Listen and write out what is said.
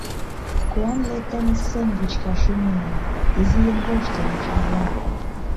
Куанле тыныс сем вӱчка шӱмемым, Изийын воштылмо шарла.